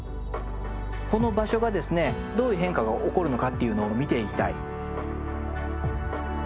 この場所がですねどういう変化が起こるのかっていうのを見ていきたい。